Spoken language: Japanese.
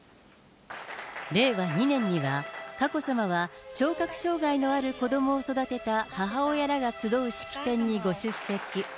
令和２年には、佳子さまは聴覚障害のある子どもを育てた母親らが集う式典にご出席。